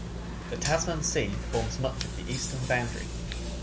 The Tasman Sea forms much of the eastern boundary.